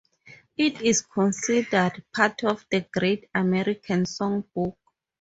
It is considered part of the Great American Songbook.